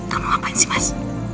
kamu ngapain sih mas